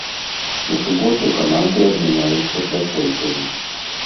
У суботу каманды абмяняюцца пляцоўкамі.